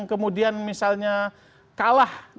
kemudian misalnya kalah